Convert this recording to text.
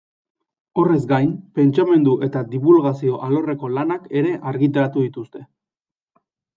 Horrez gain, pentsamendu eta dibulgazio alorreko lanak ere argitaratu dituzte.